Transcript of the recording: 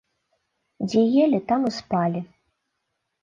Дзе елі, там і спалі.